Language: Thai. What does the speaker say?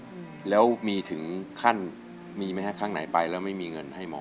อเจมส์แล้วมีถึงขั้นมีแม่ข้างไหนไปแล้วไม่มีเงินให้หมอ